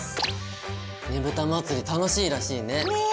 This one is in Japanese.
ねぶた祭楽しいらしいね。ね！